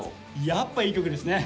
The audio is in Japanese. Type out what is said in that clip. やっぱいい曲ですね！